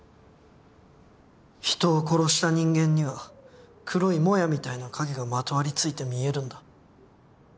人を殺した人間には黒いもやみたいな影がまとわりついて見えるんだ。